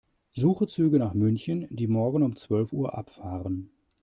Suche Züge nach München, die morgen um zwölf Uhr abfahren.